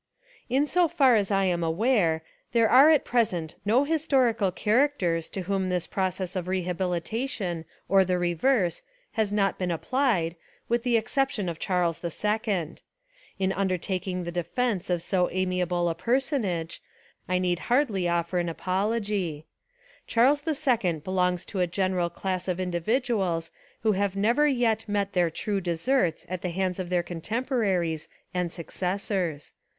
In so far as I am aware, there are at pres ent no historical characters to whom this proc ess of rehabilitation or the reverse has not been applied, with the exception of Charles II. In 272 A Rehabilitation of Charles II undertaking the defence of so amiable a personage, I need hardly offer an apology. Charles II belongs to a general class of indi viduals who have never yet met their true deserts at the hands of their contemporaries and successors.